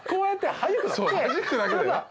はじくだけだよ。